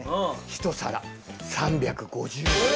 ひと皿３５０円。